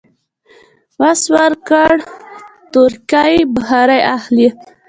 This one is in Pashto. وس ورکړ، تورکي بخارۍ اخلم.